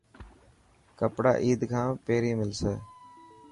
ڪپڙا عيد کان پهرين ملسي؟